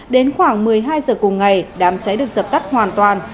đến khoảng một mươi hai giờ cùng ngày đám cháy được dập tắt hoàn toàn